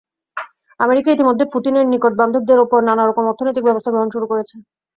America ইতিমধ্যে পুতিনের নিকটবান্ধবদের ওপর নানা রকম অর্থনৈতিক ব্যবস্থা গ্রহণ শুরু করেছে।